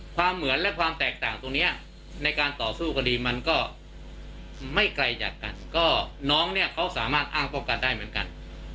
เหมือนและความแตกต่างตรงนี้ในการต่อสู้คดีมันก็ไม่ไกลจากกันก็น้องเนี่ยเขาสามารถอ้างป้องกันได้เหมือนกัน